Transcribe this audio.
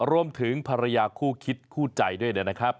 รวมถึงภรรยาคู่คิดคู่ใจด้วยนะครับ